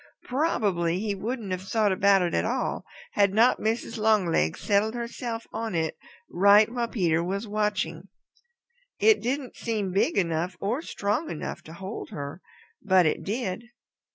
Probably he wouldn't have thought about it at all had not Mrs. Longlegs settled herself on it right while Peter was watching. It didn't seem big enough or strong enough to hold her, but it did.